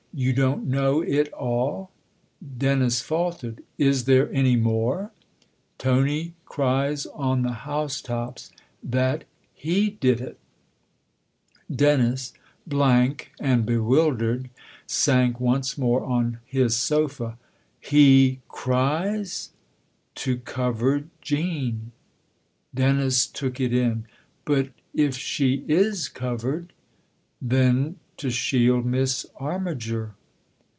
" You don't know it all ?" Dennis faltered. " Is there any more ?"" Tony cries on the housetops that he did it !" THE OTHER HOUSE 291 Dennis, blank and bewildered, sank once more on his sofa. " He cries ?"" To cover Jean." Dennis took it in. " But if she is covered ?"" Then to shield Miss Armiger."